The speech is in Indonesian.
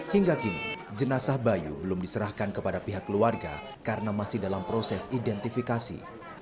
hingga kini jenazah bayu belum diserahkan kepada pihak keluarga karena masih dalam proses identifikasi